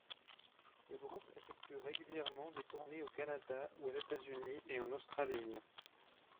Le groupe effectue régulièrement des tournées au Canada, aux États-Unis et en Australie.